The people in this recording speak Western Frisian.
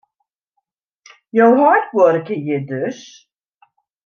Jo heit buorke hjir dus?